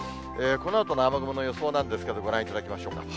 このあとの雨雲の予想なんですが、ご覧いただきましょうか。